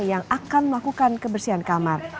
yang akan melakukan kebersihan kamar